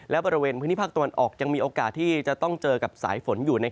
และบริเวณพื้นที่ภาคตะวันออกยังมีโอกาสที่จะต้องเจอกับสายฝนอยู่